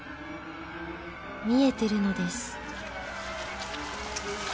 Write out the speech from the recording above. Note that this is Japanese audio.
［見えてるのです］